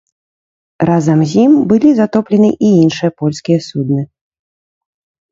Разам з ім былі затоплены і іншыя польскія судны.